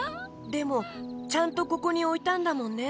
でもちゃんとここにおいたんだもんね。